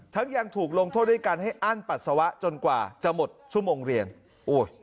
ยังถูกลงโทษด้วยการให้อั้นปัสสาวะจนกว่าจะหมดชั่วโมงเรียนโอ้ย